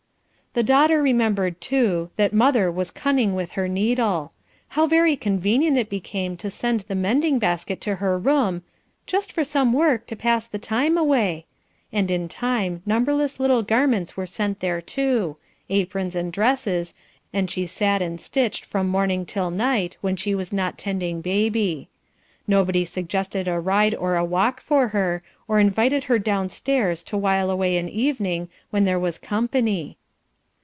The daughter remembered, too, that mother was cunning with her needle; how very convenient it became to send the mending basket to her room, "just for some work to pass the time away," and in time numberless little garments were sent there too, aprons and dresses, and she sat and stitched from morning till night when she was not tending baby. Nobody suggested a ride or a walk for her, or invited her down stairs to while away an evening when there was company.